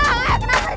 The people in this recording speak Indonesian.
wah salah kenapa ini